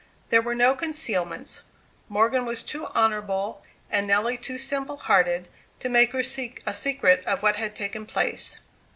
There were no concealments; Morgan was too honourable, and Nelly too simple hearted, to make a secret of what had taken place.